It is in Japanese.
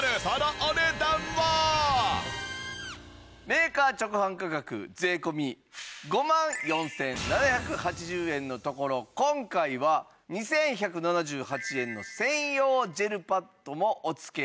メーカー直販価格税込５万４７８０円のところ今回は２１７８円の専用ジェルパッドもお付けしてなんと。